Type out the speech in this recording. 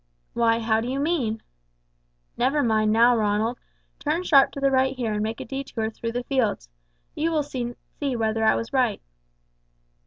"Why, how do you mean?" "Never mind now, Ronald. Turn sharp to the right here, and make a detour through the fields. You will soon see whether I was right."